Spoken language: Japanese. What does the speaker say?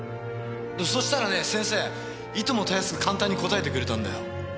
そうしたらね先生いともたやすく簡単に答えてくれたんだよ。